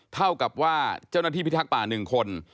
เท่ากับว่าเจ้าหน้าที่พิทักษ์ป่า๑คน